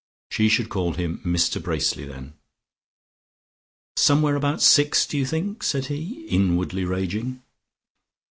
She should call him Mr Bracely then. "Somewhere about six, do you think?" said he, inwardly raging.